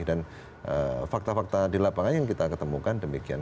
dan fakta fakta di lapangan yang kita ketemukan demikian